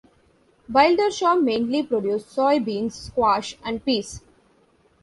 Bildershaw mainly produced soy beans, squash, and peas.